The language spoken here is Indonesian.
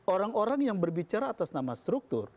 orang orang yang berbicara atas nama struktur